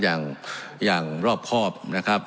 อย่างอย่างรอบครอบนะครับ